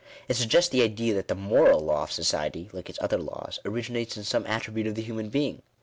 It suggests the idea that the moral law of society, like its other laws, originates in some attribute of the human being